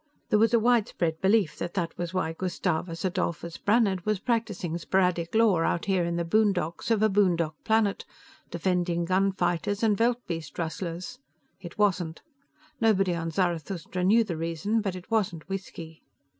There was a widespread belief that that was why Gustavus Adolphus Brannhard was practicing sporadic law out here in the boondocks of a boondock planet, defending gun fighters and veldbeest rustlers. It wasn't. Nobody on Zarathustra knew the reason, but it wasn't whisky.